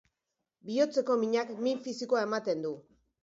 Bihotzeko minak min fisikoa ematen du.